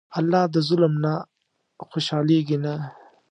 الله د ظلم نه خوشحالېږي نه.